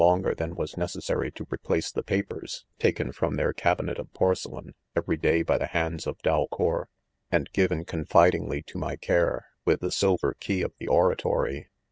ger than was necessary to re= place the papers, taken from their cabinet of porcelain, every day by the hands of DalcoiEF 3 •and given confidingly to my cafre, with the silver key of the oratory.